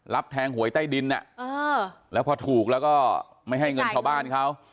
แทงหวยใต้ดินแล้วพอถูกแล้วก็ไม่ให้เงินชาวบ้านเขา